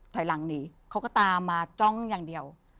ถอยหลังหนีเขาก็ตามมาจ้องอย่างเดียว